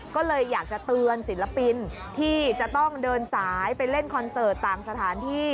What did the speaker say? ก็เลยอยากจะเตือนศิลปินที่จะต้องเดินสายไปเล่นคอนเสิร์ตต่างสถานที่